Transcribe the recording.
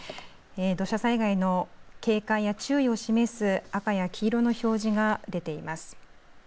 土砂災害の警戒や注意を示す赤や黄色の表示が出ています。